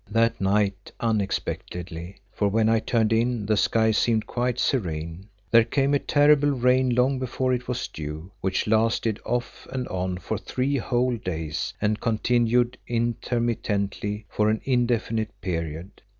That night, unexpectedly, for when I turned in the sky seemed quite serene, there came a terrible rain long before it was due, which lasted off and on for three whole days and continued intermittently for an indefinite period.